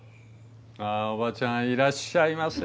あ叔母ちゃんいらっしゃいませ。